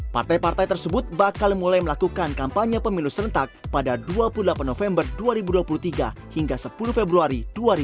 partai partai tersebut bakal mulai melakukan kampanye pemilu serentak pada dua puluh delapan november dua ribu dua puluh tiga hingga sepuluh februari dua ribu dua puluh